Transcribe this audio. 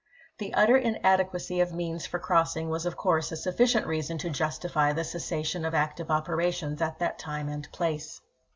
The utter inadequacy of means for crossing was of course a sufficient reason to justify the cessation of active operations at that time and place.